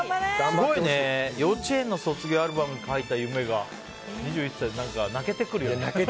すごいね、幼稚園の卒業アルバムにかいた夢が２１歳でって泣けてくるよね。